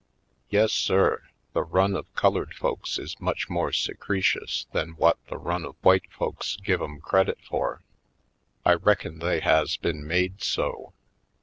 Yes sir, the run of colored folks is much more secretions than what the run of the white folks give 'em credit for. I reckon they has been made so.